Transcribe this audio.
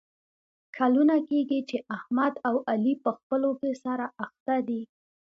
کلونه کېږي چې احمد او علي په خپلو کې سره اخته دي.